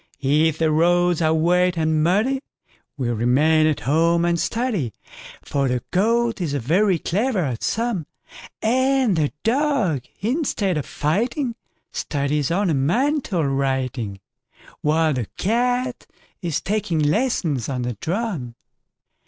If the roads are wet and muddyWe remain at home and study,—For the Goat is very clever at a sum,—And the Dog, instead of fighting, Studies ornamental writing, While the Cat is taking lessons on the drum.